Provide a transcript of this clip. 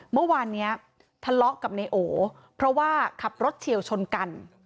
เมื่อวานนี้ทะเลาะกับนายโอเพราะว่าขับรถเฉียวชนกัน